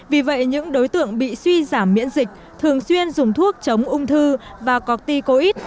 vì vậy những đối tượng bị suy giảm miễn dịch thường xuyên dùng thuốc chống ung thư và corticoid